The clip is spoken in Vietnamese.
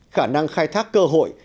khả năng khai thác cơ hội